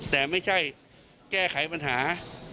แต่ไม่ใช่แก้ไขปัญหา